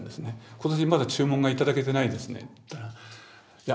今年まだ注文が頂けてないですねって言ったらいや